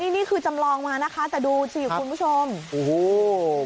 นี่คือจำลองมาแต่ดูสิคุณผู้ชม